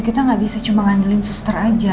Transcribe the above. kita gak bisa cuma ngandelin suster aja